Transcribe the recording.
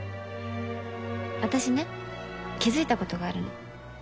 私ね気付いたことがあるの。